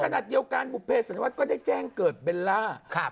ขณะเดียวกันบุภเพศสันวัฒนก็ได้แจ้งเกิดเบลล่า